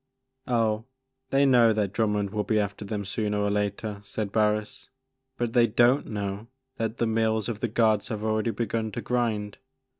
" Oh, they know that Drummond will be after them sooner or later,'* said Barris, "but they don't know that the mills of the gods have already begun to grind.